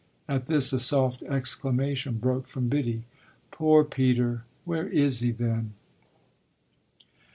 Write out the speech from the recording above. At this a soft exclamation broke from Biddy. "Poor Peter! Where is he, then?"